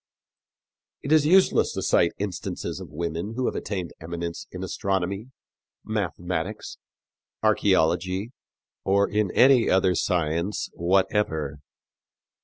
It is useless to cite instances of women who have attained eminence in astronomy, mathematics, archæology, or in any other science whatever.